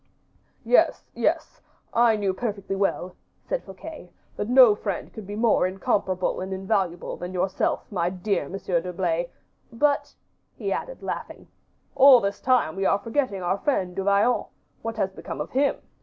"Yes, yes; I knew perfectly well," said Fouquet, "that no friend could be more incomparable and invaluable than yourself, my dear Monsieur d'Herblay; but," he added, laughing, "all this time we are forgetting our friend, Du Vallon; what has become of him?